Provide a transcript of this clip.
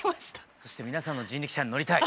そして皆さんの人力車に乗りたい！